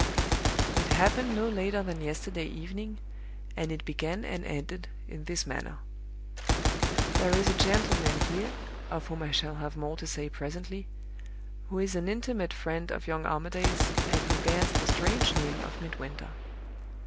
"It happened no later than yesterday evening, and it began and ended in this manner: "There is a gentleman here, (of whom I shall have more to say presently) who is an intimate friend of young Armadale's, and who bears the strange name of Midwinter.